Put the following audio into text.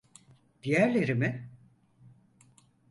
Diğerleri mi?